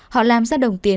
họ làm ra đồng tiền